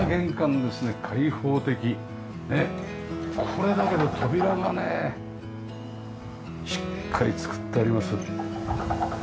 これだけど扉がねしっかり作ってあります。